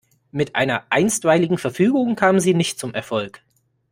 Mit einer Einstweiligen Verfügung kamen sie nicht zum Erfolg.